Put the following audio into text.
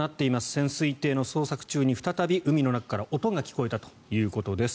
潜水艇の捜索中に再び、海の中から音が聞こえたということです。